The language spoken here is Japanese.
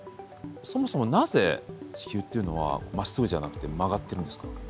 そもそもなぜ地球っていうのはまっすぐじゃなくて曲がってるんですか？